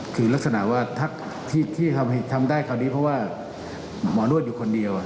คือลักษณะว่าที่ทำได้คราวนี้เพราะว่าหมอนวดอยู่คนเดียว